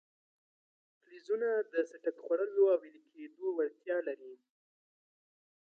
فلزونه د څټک خوړلو او ویلي کېدو وړتیا لري.